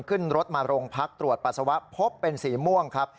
ขึ้นรถมาโรงพักตรวจปัสสาวะพบเป็นสีม่วงครับ